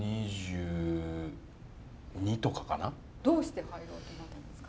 どうして入ろうと思ったんですか？